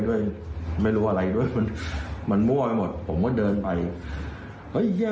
ด้วยไม่รู้อะไรด้วยมันมันมั่วไปหมดผมก็เดินไปเฮ้ยแย่